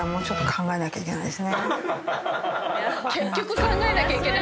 結局考えなきゃいけない。